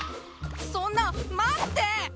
そんな待って！